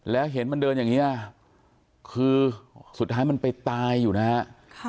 แล้วเห็นมันเดินอย่างนี้คือสุดท้ายมันไปตายอยู่นะฮะ